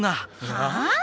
はあ？